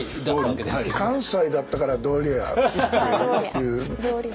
関西だったから道理やっていう。